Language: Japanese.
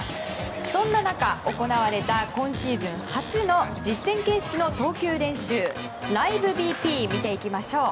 そんな中、行われた今シーズン初の実戦形式の投球練習ライブＢＰを見ていきましょう。